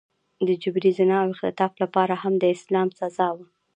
د جبري زنا او اختطاف لپاره هم د اعدام سزا وه.